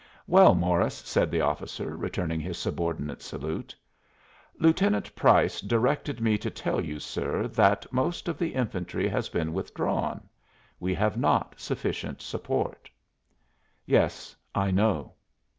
"Well, Morris," said the officer, returning his subordinate's salute. "Lieutenant Price directed me to tell you, sir, that most of the infantry has been withdrawn. We have not sufficient support." "Yes, I know."